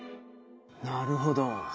なるほど。